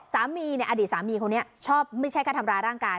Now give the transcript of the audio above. สามีเนี่ยอดีตสามีคนนี้ชอบไม่ใช่แค่ทำร้ายร่างกาย